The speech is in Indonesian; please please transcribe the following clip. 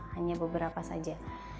hanya beberapa saja